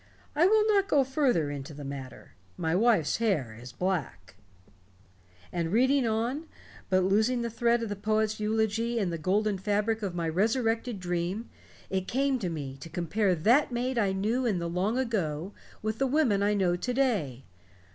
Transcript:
I will not go further into the matter. My wife's hair is black. "And reading on, but losing the thread of the poet's eulogy in the golden fabric of my resurrected dream, it came to me to compare that maid I knew in the long ago with the women I know to day.